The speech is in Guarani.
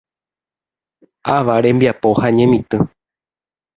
Ava rembiapo ha ñemitỹ.